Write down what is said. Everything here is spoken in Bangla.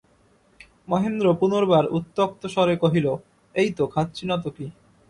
মহেন্দ্র পুনর্বার উত্ত্যক্তস্বরে কহিল, এই তো, খাচ্ছি না তো কী।